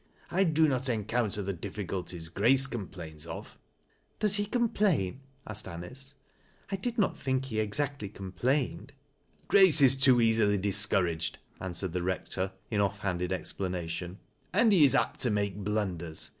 I do not encountei the difficulties Grrao€ wmplains of." " Does he complain ?" asked Anice ;" I did not think he exactly complained." " Grace is too easily discouraged," answered the Eect<:)r in oii handed explanation. " And he is apt to make blun ders.